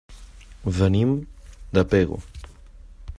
Venim de Pego.